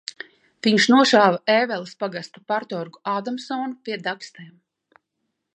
Viņš nošāva Ēveles pagasta partorgu Ādamsonu pie Dakstiem.